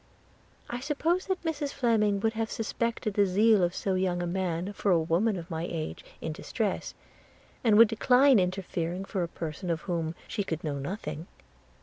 I supposed that Mrs Fleming would have suspected the zeal of so young a man for a woman of my age, in distress, and would decline interfering for a person of whom she could know nothing.